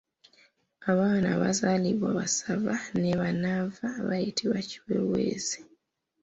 Abaana abazaalibwa bassaava ne bannaava bayitibwa Kiweeweesi.